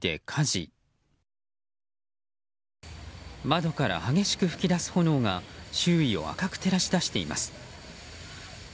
窓から激しく噴き出す炎が周囲を赤く照らし出しています。